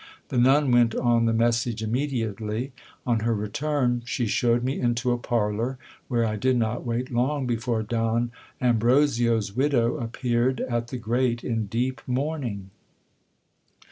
The nun went on the message immediately. On her return, she showed me into a parlour, where I did not wait long before Don Ambro se's widow appeared at the grate in deep mourning.